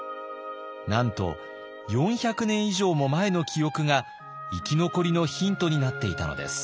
なんと４００年以上も前の記憶が生き残りのヒントになっていたのです。